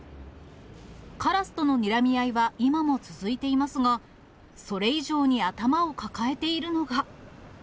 カラスとのにらみ合いは今も続いていますが、それ以上に頭を抱えているのが。